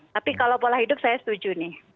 tapi kalau pola hidup saya setuju nih